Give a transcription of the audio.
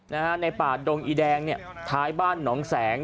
ในป่าดงอีแดงเนี่ยท้ายบ้านหนองแสง